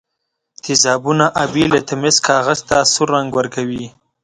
تیزابونه آبي لتمس کاغذ ته سور رنګ ورکوي.